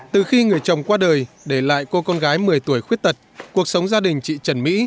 từ khi người chồng qua đời để lại cô con gái một mươi tuổi khuyết tật cuộc sống gia đình chị trần mỹ